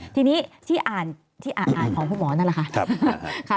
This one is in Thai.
ที่นี้ที่อ่านของคุณหมอนั่นล่ะค่ะ